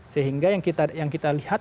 sehingga yang kita lihat